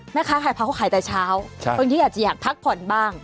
แม่ค้าขายผักเขาขายแต่เช้าบางทีอาจจะอยากพักผ่อนบ้าง